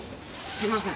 すいません。